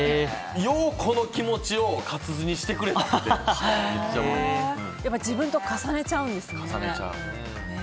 よう、この気持ちを活字にしてくれたなって自分と重ねちゃうんですね。